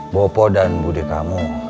bopo dan bude kamu